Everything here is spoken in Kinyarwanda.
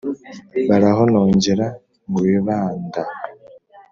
Barahonongera mu bibanda,